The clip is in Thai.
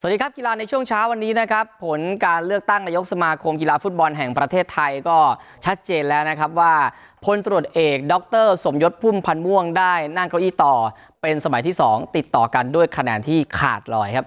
สวัสดีครับกีฬาในช่วงเช้าวันนี้นะครับผลการเลือกตั้งนายกสมาคมกีฬาฟุตบอลแห่งประเทศไทยก็ชัดเจนแล้วนะครับว่าพลตรวจเอกดรสมยศพุ่มพันธ์ม่วงได้นั่งเก้าอี้ต่อเป็นสมัยที่๒ติดต่อกันด้วยคะแนนที่ขาดลอยครับ